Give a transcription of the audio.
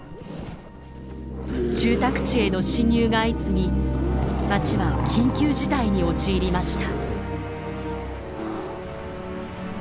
住宅地への侵入が相次ぎ町は緊急事態に陥りました。